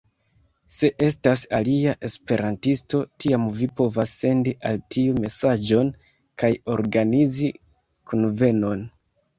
Se estas alia esperantisto, tiam vi povas sendi al tiu mesaĝon kaj organizi kunvenon.